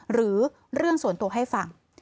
หรือเรื่องส่วนตัวให้ฟัง